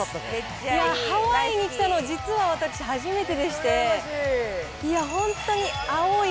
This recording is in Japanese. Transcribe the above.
いや、ハワイに来たの、実は私、初めてでして、いや、本当に青い